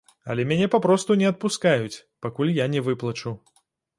Але мяне папросту не адпускаюць, пакуль я не выплачу.